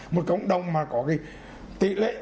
một cộng đồng mà có cái tỷ lệ